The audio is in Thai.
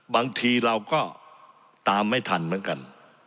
บางทีเราก็ตามไม่ทันเหมือนกัน